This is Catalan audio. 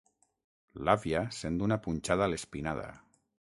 L'àvia sent una punxada a l'espinada.